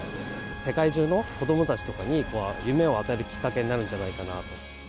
世界中の子どもたちとかに、夢を与えるきっかけになるんじゃないかなと。